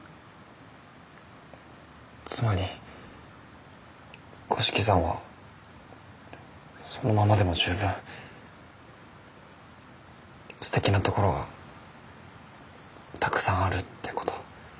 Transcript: つまり五色さんはそのままでも十分すてきなところがたくさんあるってこと。